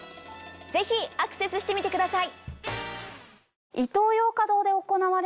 ぜひアクセスしてみてください！